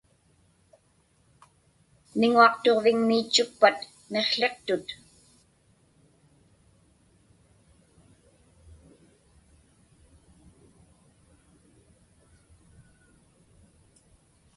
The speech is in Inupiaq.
Miŋuaqtuġviŋmiitchukpat miqłiqtut?